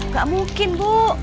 gak mungkin bu